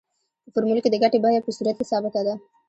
په فورمول کې د ګټې بیه په صورت کې ثابته ده